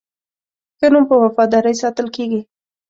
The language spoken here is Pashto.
ښه نوم په وفادارۍ ساتل کېږي.